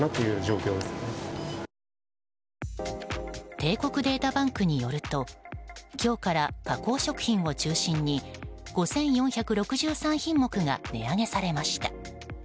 帝国データバンクによると今日から加工食品を中心に５４６３品目が値上げされました。